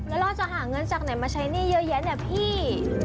แล้วเราจะหาเงินจากไหนมาใช้หนี้เยอะแยะเนี่ยพี่